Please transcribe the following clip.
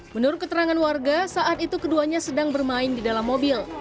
menurut keterangan warga saat itu keduanya sedang bermain di dalam mobil